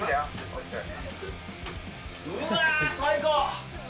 うわー、最高！